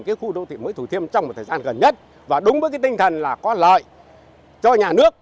khu đô thị mới thủ thiêm trong thời gian gần nhất và đúng với tinh thần là có lợi cho nhà nước